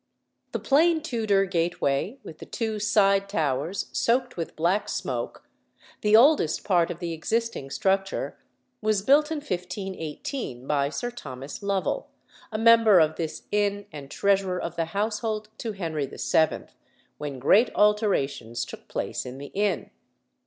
The plain Tudor gateway with the two side towers soaked with black smoke, the oldest part of the existing structure, was built in 1518 by Sir Thomas Lovell, a member of this inn and treasurer of the household to Henry VII., when great alterations took place in the inn.